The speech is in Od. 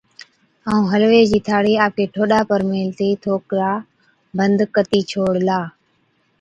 ائُون حلوي چِي ٿاڙهِي آپڪي ٺوڏا پر ميهلتِي ٿوڪرا بند ڪتِي ڇوڙلا۔